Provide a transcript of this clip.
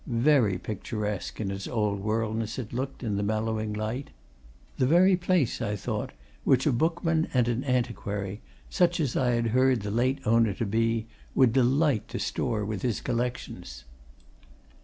Very picturesque in its old worldness it looked in the mellowing light; the very place, I thought, which a bookman and an antiquary, such as I had heard the late owner to be, would delight to store with his collections.